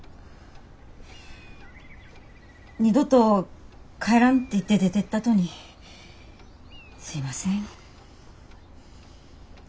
二度と帰らんって言って出てったとにすいません。